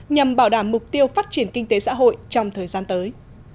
nhằm bảo đảm mục tiêu phát triển kinh tế xã hội trong thời gian tới